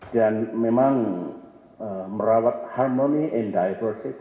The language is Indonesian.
dan memang merawat harmony and diversity itu tugas kita